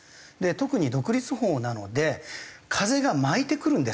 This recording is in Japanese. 特に独立峰なので風が巻いてくるんですよね。